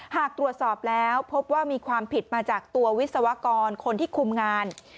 หากตรวจสอบแล้วพบว่ามีความผิดมาจากตัววิศวกรคนที่คุมงาน